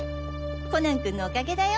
コナン君のおかげだよ。